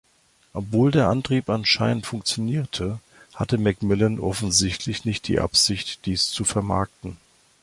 Obwohl der Antrieb anscheinend funktionierte, hatte Macmillan offensichtlich nicht die Absicht dies zu vermarkten.